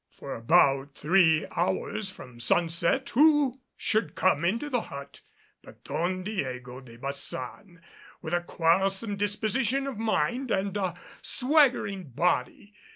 For at about three hours from sunset who should come into the hut but Don Diego de Baçan with a quarrelsome disposition of mind and a swaggering body.